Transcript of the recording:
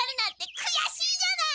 くやしいじゃない！